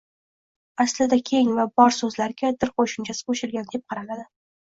Aslida “keng” va “bor” so‘zlariga “-dir” qo‘shimchasi qo‘shilgan, deb qaraladi.